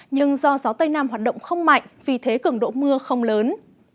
nhưng do gió tây nam hoạt động không mạnh vì thế cường độ mưa không lớn